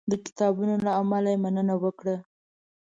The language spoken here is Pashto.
د کتابونو له امله یې مننه وکړه.